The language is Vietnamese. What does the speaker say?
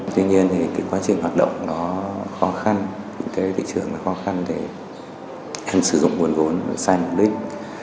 tuy nhiên thì cái quá trình hoạt động nó khó khăn cái thị trường nó khó khăn để em sử dụng nguồn vốn sai mục đích